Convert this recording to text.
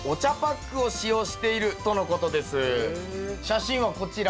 写真はこちら。